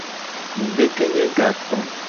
Ngudekenye gato.